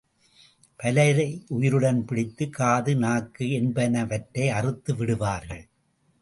பலரை உயிருடன் பிடித்து காது, நாக்கு என் பனவற்றை அறுத்து விடுவார்கள்.